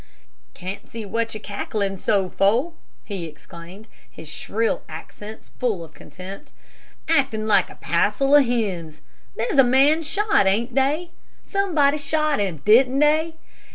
"Can't see what you're cackling so for!" he exclaimed, his shrill accents full of contempt. "Actin' like a passel of hens! There's a man shot, ain't they? Somebody shot him, didn't they?